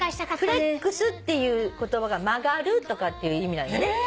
フレックスっていう言葉が曲がるとかっていう意味なんだね。